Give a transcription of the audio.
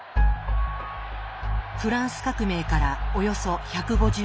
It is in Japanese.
フランス革命からおよそ１５０年後。